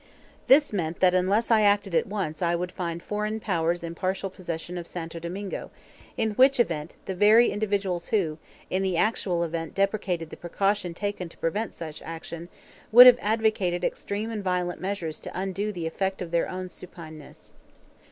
This meant that unless I acted at once I would find foreign powers in partial possession of Santo Domingo; in which event the very individuals who, in the actual event deprecated the precaution taken to prevent such action, would have advocated extreme and violent measures to undo the effect of their own supineness.